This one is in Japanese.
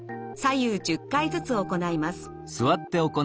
左右１０回ずつ行います。